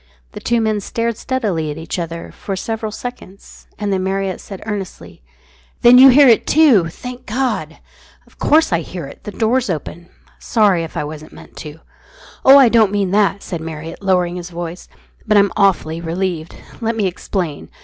The two men stared steadily at each other for several seconds, and then Marriott said earnestly "Then you hear it too, thank God!" "Of course I hear it. The door's open. Sorry if I wasn't meant to." "Oh, I don't mean that," said Marriott, lowering his voice. "But I'm awfully relieved. Let me explain.